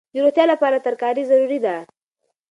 د روغتیا لپاره ترکاري ضروري ده.